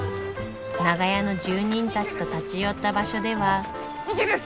長屋の住人たちと立ち寄った場所では。